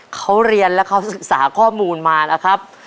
เขาเรียนแล้วเขาศึกษาข้อมูลมานะครับ